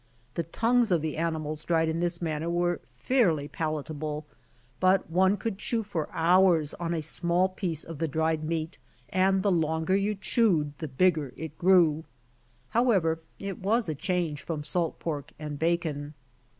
The tongues of the animals dried in this manner were fairly pala table, but one could chew for hours on one small piece of the dried meat, and the longer you chewed the bigger it grew. However it was a change from salt pork and bacon.